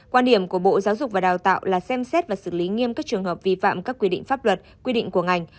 quan điểm của bộ giáo dục và đào tạo là xem xét và xử lý nghiêm các trường hợp vi phạm các quy định pháp luật quy định của ngành